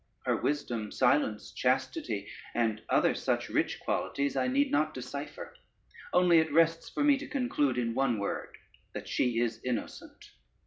Her wisdom, silence, chastity, and other such rich qualities, I need not decipher; only it rests for me to conclude in one word, that she is innocent.